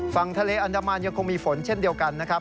ฝั่งทะเลอันดามันยังคงมีฝนเช่นเดียวกันนะครับ